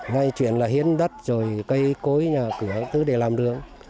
ngay chuyển là hiến đất rồi cây cối nhà cửa tứ để làm đường